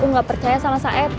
aku gak percaya sama saeb